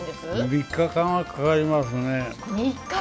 ３日間はかかりますね。